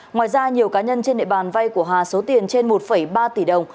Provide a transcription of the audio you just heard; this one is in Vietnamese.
ngoài ra nhiều cá nhân trên địa bàn vay của hà số tiền trên một ba tỷ đồng